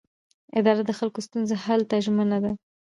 اداره د خلکو د ستونزو حل ته ژمنه ده.